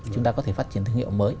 chúng ta có thể phát triển thương hiệu mới